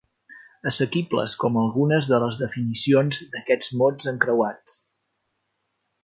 Assequibles com algunes de les definicions d'aquests mots encreuats.